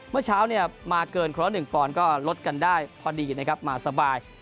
เมื่อเช้าเนี่ยมาเกินคนละ๑ปอนด์ก็ลดกันได้พอดีนะครับมาสบาย